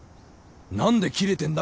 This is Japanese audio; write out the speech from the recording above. なんでキレてんだ？